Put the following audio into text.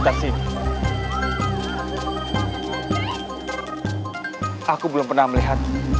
mereka sudah berhasil menangkap mereka